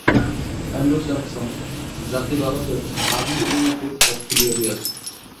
Anglo-Saxon জাতি ভারতের ভাবী উন্নতির পথ খুলিয়া দিয়াছে।